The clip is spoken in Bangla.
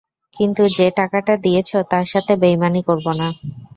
কিন্তু যে টাকাটা দিয়েছ তার সাথে বেইমানি করব না।